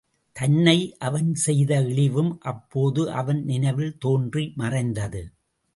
தன்னை அவன் செய்த இழிவும் அப்போது அவன் நினைவில் தோன்றி மறைந்தது.